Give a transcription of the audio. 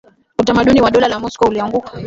utamaduni wa dola la moscow ulianguka